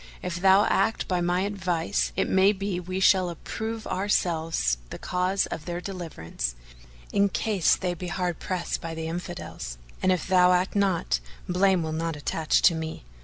If thou act by my advice, it may be we shall approve ourselves the cause of their deliverance, in case they be hard pressed by the Infidels; and if thou act not, blame will not attach to me.